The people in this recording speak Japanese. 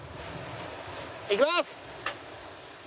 いきます！